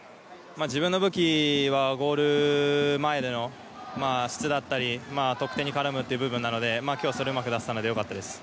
自分の武器はゴール前での質、得点に絡むという部分なので、きょうはそれを、うまく出せたのでよかったです。